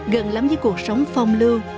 gần lắm với cuộc sống phong lưu